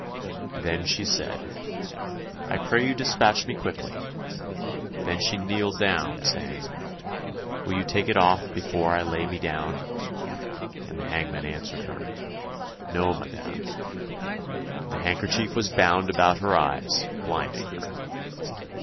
"Then she said, "'I pray you despatch me quickly.' "Then she kneeled down, saying, "'Will you take it off before I lay me down?' "And the hangman answered her, "'No, madame.'" The handkerchief was bound about her eyes, blinding her.